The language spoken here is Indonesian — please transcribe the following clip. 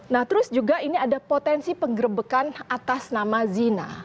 nah terus juga ini ada potensi penggerbekan atas nama zina